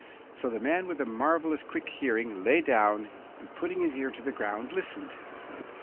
So the man with the marvellous quick hearing lay down and, putting his ear to the ground, listened.